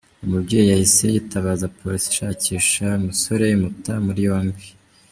Uyu mubyeyi yahise yitabaza polisi ishakisha uyu musore imuta muri yombi.